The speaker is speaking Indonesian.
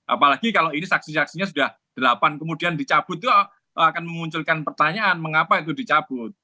apalagi kalau ini saksi saksinya sudah delapan kemudian dicabut itu akan memunculkan pertanyaan mengapa itu dicabut